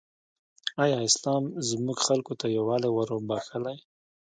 ایا اسلام زموږ خلکو ته یووالی وروباخښلی؟